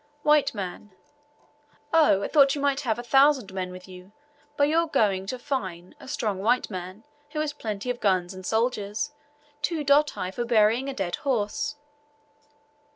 W. M. "Oh! I thought you might have a thousand men with you, by your going to fine a strong white man, who has plenty of guns and soldiers, two doti for burying a dead horse."